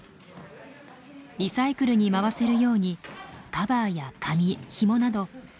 リサイクルに回せるようにカバーや紙ひもなど素材ごとにバラバラにします。